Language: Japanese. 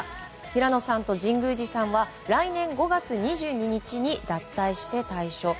平野さんと神宮司さんは来年５月２２日に脱退して退所。